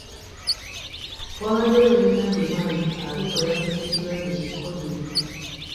Wabaddewo ebigambibwa nti Alupo yafudde kirwadde ki Kovidi.